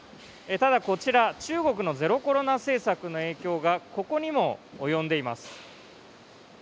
ただ、こちら中国のゼロコロナ政策の影響がここにも及んでいます。